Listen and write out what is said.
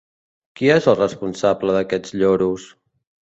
Qui és el responsable d'aquests lloros?